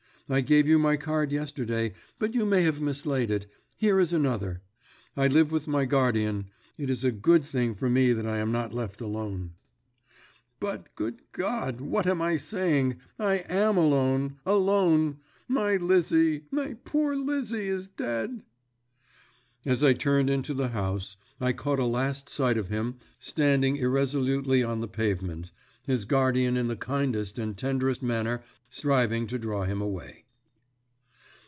I gave you my card yesterday, but you may have mislaid it. Here is another. I live with my guardian. It is a good thing for me that I am not left alone. But, good God! what am I saying? I am alone alone! My Lizzie, my poor Lizzie, is dead!" As I turned into the house I caught a last sight of him standing irresolutely on the pavement, his guardian in the kindest and tenderest manner striving to draw him away.